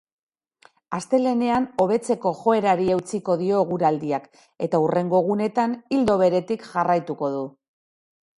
Astelehenean hobetzeko joerari eutsiko dio eguraldiak eta hurrengo egunetan ildo beretik jarraituko du.